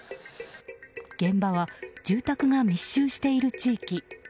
現場は、住宅が密集している地域。